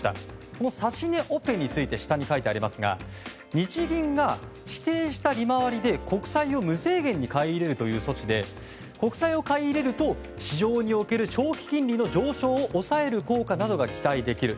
この指値オペについては下に書いてありますが日銀が指定した利回りで、国債を無制限に買い入れるという措置で国債を買い入れると市場における長期金利の上昇を抑える効果などが期待できる。